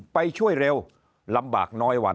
ไปช่วยเร็วลำบากน้อยวัน